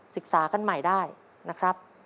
ศึกษากันใหม่ได้นะครับ